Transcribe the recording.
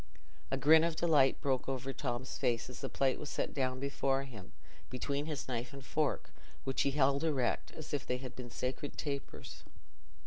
A grin of delight broke over Tom's face as the plate was set down before him, between his knife and fork, which he held erect, as if they had been sacred tapers.